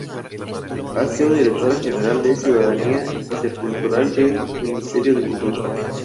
Ha sido Directora General de Ciudadanía Intercultural del Ministerio de Cultura.